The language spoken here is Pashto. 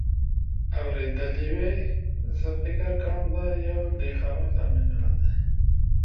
اورېدلې وې. زه فکر کوم دا یو له هغو لاملونو دی